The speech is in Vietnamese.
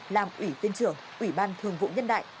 làm ủy viên trưởng ủy ban thường vụ nhân đại